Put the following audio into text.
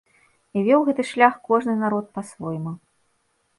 І вёў гэты шлях кожны народ па-свойму.